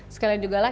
sekalian juga lah